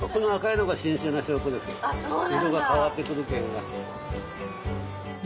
色が変わって来るけんが。